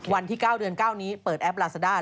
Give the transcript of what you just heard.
วันที่๙เดือน๙นี้เปิดแอปลาซาด้า